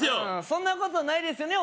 そんなことないですよね？